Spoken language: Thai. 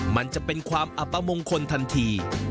มันจะเป็นความอัปมงคลทันที